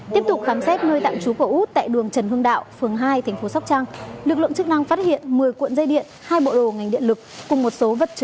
tiếp tục khám xét nơi tạm trú của út